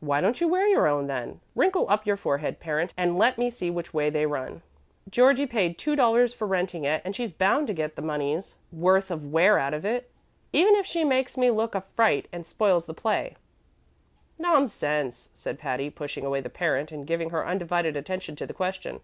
"Why don't you wear your own, then? Wrinkle up your forehead, Parent, and let me see which way they run." "Georgie paid two dollars for renting it, and she's bound to get the money's worth of wear out of it, even if she makes me look like a fright and spoils the play." "Nonsense," said Patty, pushing away the Parent and giving her undivided attention to the question.